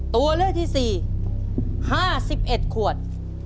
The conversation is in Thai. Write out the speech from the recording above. ตัวเลือกที่สี่ห้าสิบเอ็ดขวด